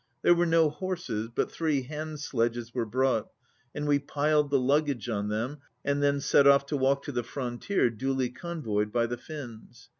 There were no horses, but three hand sledges were brought, and we piled the luggage on them, and then set off to walk to the frontier duly convoyed by the Finns.